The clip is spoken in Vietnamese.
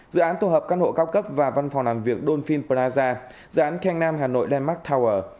dự án tổ hợp căn hộ cao cấp và văn phòng làm việc dolphin plaza dự án khenh nam hà nội denmark tower